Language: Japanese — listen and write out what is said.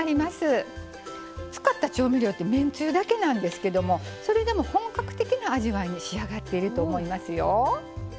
使った調味料ってめんつゆだけなんですけどもそれでも本格的な味わいに仕上がっていると思いますよ。